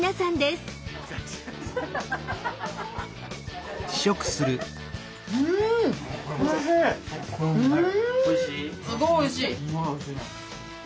すごいおいしい。